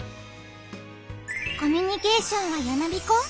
コミュニケーションはやまびこ？